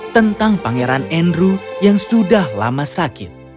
tentang pangeran andrew yang sudah lama sakit